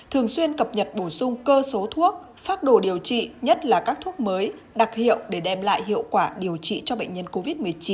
thường xuyên cập nhật bổ sung cơ số thuốc pháp đồ điều trị nhất là các thuốc mới đặc hiệu để đem lại hiệu quả điều trị cho bệnh nhân covid một mươi chín